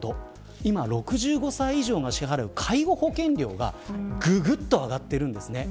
今、６５歳以上が支払う介護保険料がぐぐっと上がっているんですね。